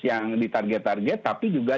yang di target target tapi juga